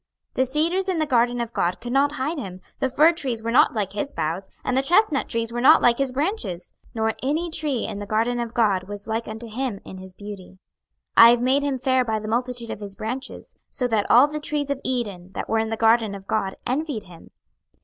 26:031:008 The cedars in the garden of God could not hide him: the fir trees were not like his boughs, and the chestnut trees were not like his branches; nor any tree in the garden of God was like unto him in his beauty. 26:031:009 I have made him fair by the multitude of his branches: so that all the trees of Eden, that were in the garden of God, envied him.